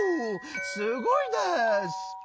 すごいです！」。